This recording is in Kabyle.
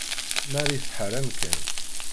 Marie tḥeṛṛ amkan.